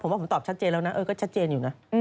ผมว่าผมตอบชัดเจนแล้วนะเออก็ชัดเจนอยู่นะ